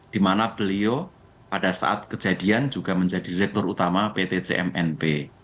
dimana beliau pada saat kejadian juga menjadi rektor utama pt cmnp